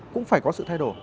cũng phải có sự thay đổi